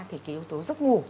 thì cái yếu tố giấc ngủ